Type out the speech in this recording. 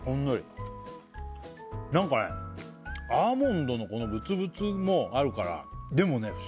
何かねアーモンドのこのブツブツもあるからでもね